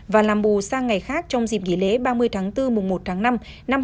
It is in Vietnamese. và làm bù sang ngày khác trong dịp nghỉ lễ ba mươi tháng bốn mùa một tháng năm năm hai nghìn hai mươi bốn